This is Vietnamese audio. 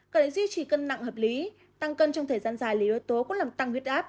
cảnh duy trì cân nặng hợp lý tăng cân trong thời gian dài lý yếu tố cũng làm tăng huyết áp